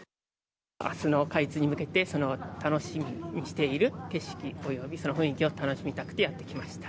あすの開通に向けて楽しみにしている景色、及びその雰囲気を楽しみたくてやって来ました。